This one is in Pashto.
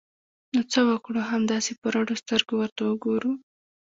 نو څه وکړو؟ همداسې په رډو سترګو ورته وګورو!